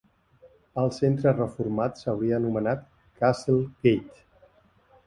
El centre reformat s'hauria anomenat "Castle Gate".